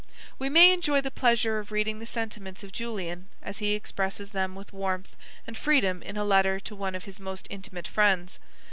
We may enjoy the pleasure of reading the sentiments of Julian, as he expresses them with warmth and freedom in a letter to one of his most intimate friends.